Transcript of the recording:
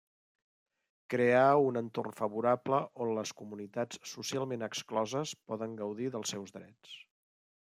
Crear un entorn favorable on les comunitats socialment excloses poden gaudir dels seus drets.